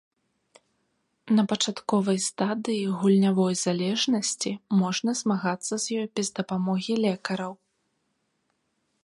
На пачатковай стадыі гульнявой залежнасці можна змагацца з ёй без дапамогі лекараў.